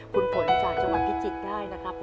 ผลผลจากจังหวัดพิจิกได้นะครับ